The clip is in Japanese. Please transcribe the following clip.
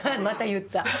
また言った。